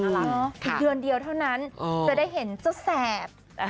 อีกเดือนเดียวเท่านั้นจะได้เห็นเจ้าแสบ